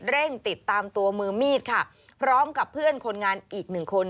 เร่งติดตามตัวมือมีดค่ะพร้อมกับเพื่อนคนงานอีกหนึ่งคน